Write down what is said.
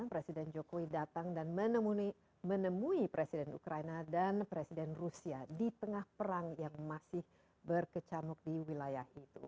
presiden jokowi datang dan menemui presiden ukraina dan presiden rusia di tengah perang yang masih berkecamuk di wilayah itu